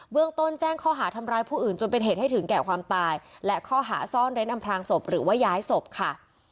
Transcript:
เรื่องต้นแจ้งข้อหาทำร้ายผู้อื่นจนเป็นเหตุให้ถึงแก่ความตายและข้อหาซ่อนเร้นอำพลางศพหรือว่าย้ายศพค่ะ